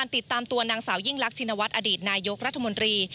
ติดตามตัวนางสาวยิ่งรักชินวัฒน์อดีตนายกรัฐมนตรี